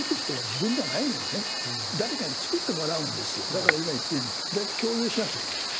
だから今言ったように誰か共有しなくちゃいけない。